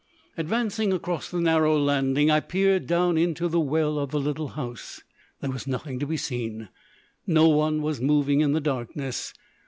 Advancing across the narrow landing, I peered down into the well of the little house. There was nothing to be seen; no one was moving in the darkness.